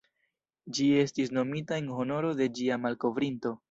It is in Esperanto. Ĝi estis nomita en honoro de ĝia malkovrinto.